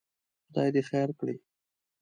خدای دې خیر کړي.